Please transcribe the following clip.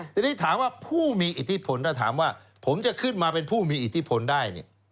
ทีนี้ถามว่าผู้มีอิทธิพลถ้าถามว่าผมจะขึ้นมาเป็นผู้มีอิทธิพลได้